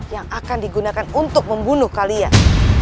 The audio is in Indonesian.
yang akan digunakan untuk membunuh kalian